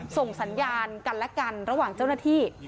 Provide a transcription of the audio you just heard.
ส่งสัญญาณกันและกันระหว่างเจ้าหน้าที่